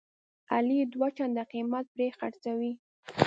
علي یې دوه چنده قیمت پرې خرڅوي.